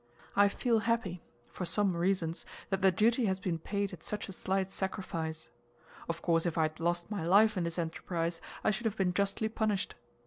I feel happy, for some reasons, that the duty has been paid at such a slight sacrifice. Of course if I had lost my life in this enterprise, I should have been justly punished.